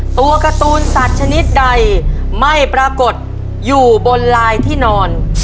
ตัวการ์ตูนสัตว์ชนิดใดไม่ปรากฏอยู่บนลายที่นอน